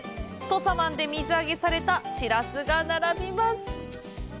土佐湾で水揚げされたしらすが並びます。